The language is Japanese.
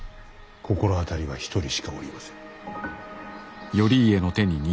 心当たりは一人しかおりませぬ。